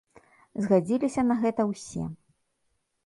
Згадзіліся на гэта ўсе.